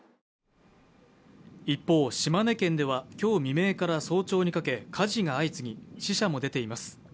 一方、島根県では今日未明から早朝にかけ火事が相次ぎ、死者も出ています。